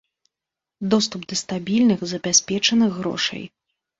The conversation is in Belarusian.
Доступ да стабільных, забяспечаных грошай.